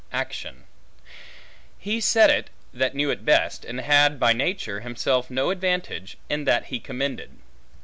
action. He said it, that knew it best, and had, by nature, himself no advantage in that he commended.